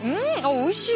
おいしい！